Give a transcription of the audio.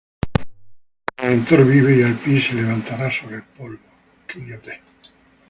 Yo sé que mi Redentor vive, Y al fin se levantará sobre el polvo: